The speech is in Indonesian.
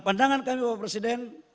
pandangan kami bapak presiden